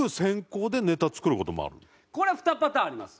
これはふたパターンあります。